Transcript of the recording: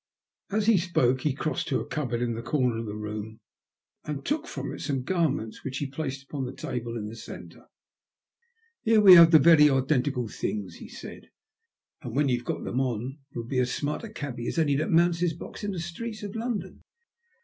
As he spoke he crossed to a cupboard in the comer of the room, and took from it some garments which he placed upon the table in^the centre. Here we have the very identical things,"^e said, and when you've got them on, you'll be as smart a cabby as any that mounts his^box in the streets of London.